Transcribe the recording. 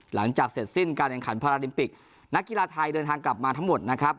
หลังจากเสร็จสิ้นการแข่งขันพาราลิมปิกนักกีฬาไทยเดินทางกลับมาทั้งหมดนะครับ